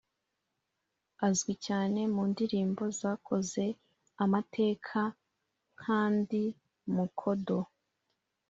Azwi cyane mu ndirimbo zakoze amateka nka “Ndi Mukodo”